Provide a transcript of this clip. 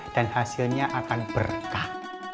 dan hasilnya akan berkah